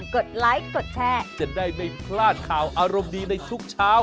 กดไลค์กดแชร์จะได้ไม่พลาดข่าวอารมณ์ดีในทุกเช้า